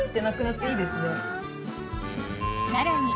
さらに